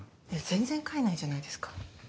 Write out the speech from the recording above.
全然帰んないじゃないですか。